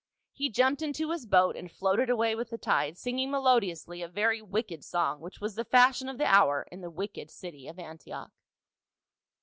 He jumped into his boat and floated away with the tide, singing melodiously a very wicked song which was the fashion of the hour in the wicked city of Antioch.